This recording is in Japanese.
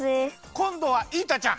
こんどはイータちゃん！